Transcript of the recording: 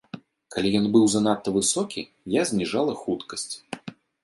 Калі ён быў занадта высокі, я зніжала хуткасць.